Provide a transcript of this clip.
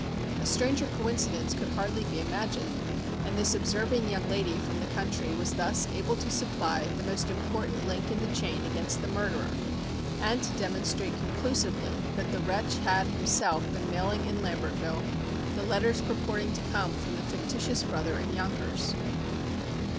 A stranger coincidence could hardly be imagined, and this observing young lady from the country was thus able to supply the most important link in the chain against the murderer, and to demonstrate conclusively that the wretch had himself been mailing in Lambertville the letters purporting to come from the fictitious brother in Yonkers.